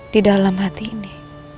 di dalam hati ini